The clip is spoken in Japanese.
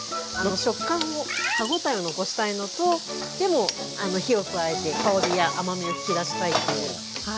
食感を歯ごたえを残したいのとでも火を加えて香りや甘みを引き出したいという。